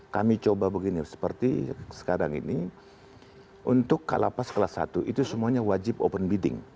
kami coba begini seperti sekarang ini untuk kalapas kelas satu itu semuanya wajib open bidding